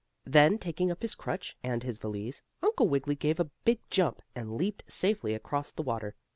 Then, taking up his crutch and his valise, Uncle Wiggily gave a big jump, and leaped safely across the water.